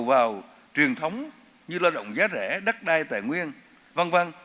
dựa vào truyền thống như lao động giá rẻ đắt đai tài nguyên v v